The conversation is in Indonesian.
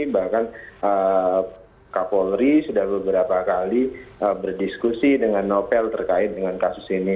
bahkan kapolri sudah beberapa kali berdiskusi dengan novel terkait dengan kasus ini